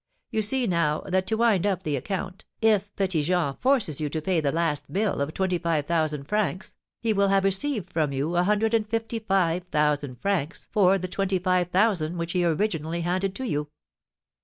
You see, now, that, to wind up the account, if Petit Jean forces you to pay the last bill of twenty five thousand francs, he will have received from you a hundred and fifty five thousand francs for the twenty five thousand which he originally handed to you.